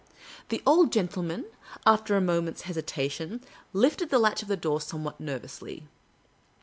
The old gentleman, after a moment's hesitation, lifted the latch of the door somewhat nervously.